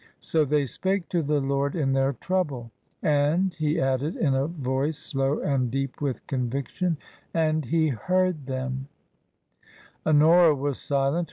' So they spake to the Lord in their trouble.' And," he added, in a voice slow and deep with conviction, " and — He Iteard them" Honora was silent.